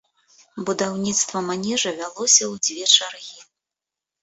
Будаўніцтва манежа вялося ў дзве чаргі.